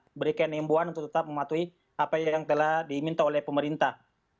memberikan imbuan untuk tetap mematuhi apa yang telah diminta oleh pemerintah